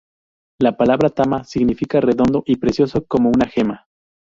La palabra "tama" significa "redondo y precioso", como una gema.